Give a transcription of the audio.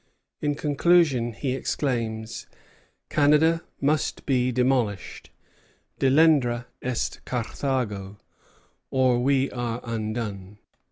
In conclusion he exclaims: "Canada must be demolished, Delenda est Carthago, or we are undone."